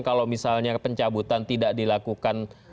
kalau misalnya pencabutan tidak dilakukan